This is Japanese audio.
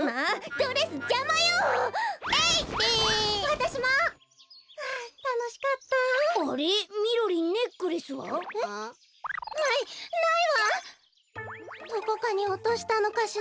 どこかにおとしたのかしら？